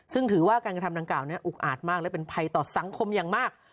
ซึ่งถือว่าการกระทำดังกล่าวนี้อุกอาจมากและเป็นภัยต่อสังคมอย่างมาก